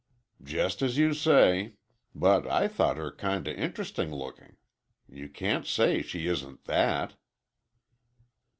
"Just as you say. But I thought her kinda interesting looking. You can't say she isn't that."